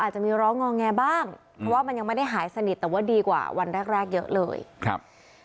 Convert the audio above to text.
สวัสดีครับ